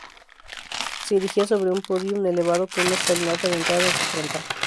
Se erigía sobre un "podium" elevado con una escalinata de entrada en su frontal.